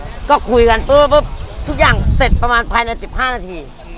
อ่าฮะก็คุยกันปุ๊บปุ๊บทุกอย่างเสร็จประมาณภายในสิบห้านาที